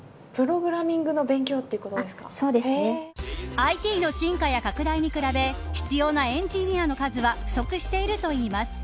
ＩＴの進化や拡大に比べ必要なエンジニアの数は不足しているといいます。